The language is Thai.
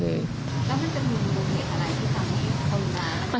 แล้วมันจะมีอะไรที่สามีคนรัก